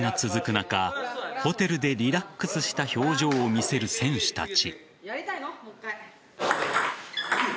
中ホテルでリラックスした表情を見せる選手たち。